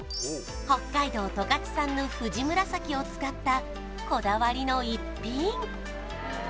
北海道十勝産のふじむらさきを使ったこだわりの逸品